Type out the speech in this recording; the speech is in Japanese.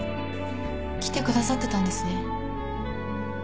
来てくださってたんですね。